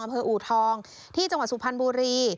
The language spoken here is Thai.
อำเภออูทองที่จังหวัดสุพันธ์บุรี